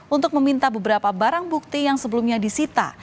untuk meminta beberapa barang bukti yang sebelumnya disita